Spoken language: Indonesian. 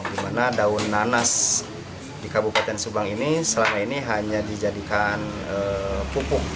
di mana daun nanas di kabupaten subang ini selama ini hanya dijadikan pupuk